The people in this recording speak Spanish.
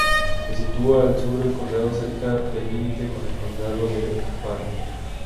Se sitúa al sur del condado, cerca del límite con el condado de Pärnu.